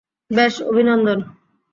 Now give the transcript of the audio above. বেশ, অভিনন্দন।